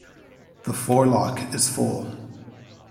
The forelock is full.